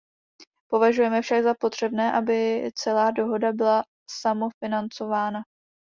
Považujeme však za potřebné, aby celá dohoda byla samofinancována.